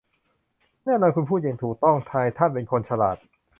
แน่นอนคุณพูดอย่างถูกต้องนายท่านเป็นคนฉลาด